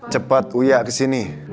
cepat uya ke sini